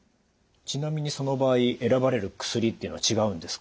ちなみにその場合選ばれる薬というのは違うんですか？